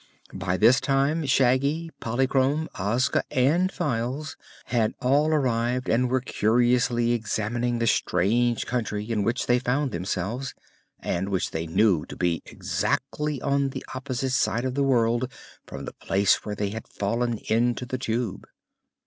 By this time, Shaggy, Polychrome, Ozga and Files had all arrived and were curiously examining the strange country in which they found themselves and which they knew to be exactly on the opposite side of the world from the place where they had fallen into the Tube.